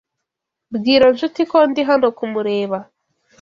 Bwira Nshuti ko ndi hano kumureba.